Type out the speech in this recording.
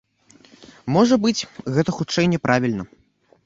Можа быць, гэта хутчэй няправільна.